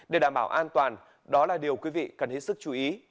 để đảm bảo an toàn đó là điều quý vị cần hết sức chú ý